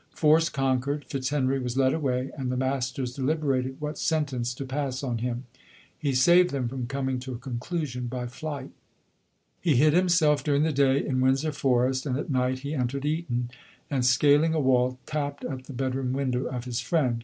Force conquered ; Fitzhenry was led away ; and the masters deliberated what sen tence to pass on him. He saved them from coming to a conclusion by flight. He hid himself during the day in Windsor 80 LODORE. Forest, and at night he entered Eton, and seal ing a wall, tapped at the bedroom window of his friend.